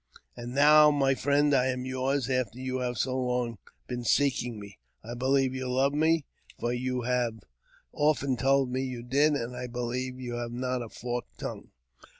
And now, my friend, I am yours after you have so long been seeking me. I believe you love me, for you. have often told me you did, and I believe you have not a forked tongue.